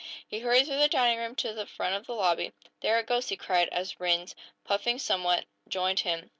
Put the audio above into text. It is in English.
He hurried through the dining room to the front of the lobby. "There it goes," he cried, as Rhinds, puffing somewhat, joined him.